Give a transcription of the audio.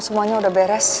semuanya udah beres